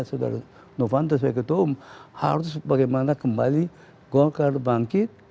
saudara novanto sebagai ketua umum harus bagaimana kembali golkar bangkit